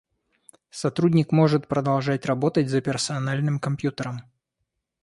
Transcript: Сотрудник может продолжать работать за персональным компьютером